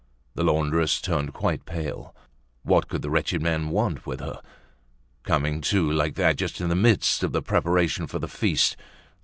The laundress turned quite pale. What could the wretched man want with her? Coming, too, like that, just in the midst of the preparations for the feast.